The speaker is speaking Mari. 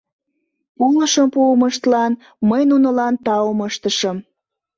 Полышым пуымыштлан мый нунылан таум ыштышым.